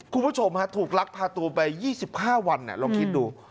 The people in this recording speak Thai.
คุณผู้ชมถูกลักพาตัวไป๒๕วันลองคิดดู